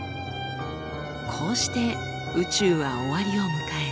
こうして宇宙は終わりを迎える。